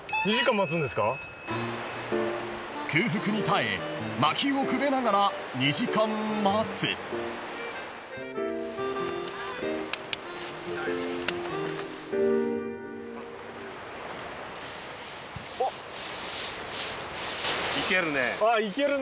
［空腹に耐えまきをくべながら２時間待つ］いけるね。